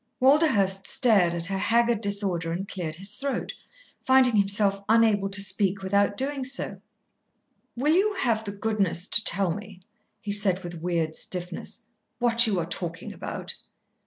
Walderhurst stared at her haggard disorder and cleared his throat, finding himself unable to speak without doing so. "Will you have the goodness to tell me," he said with weird stiffness, "what you are talking about?"